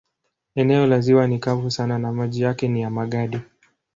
Eneo la ziwa ni kavu sana na maji yake ni ya magadi.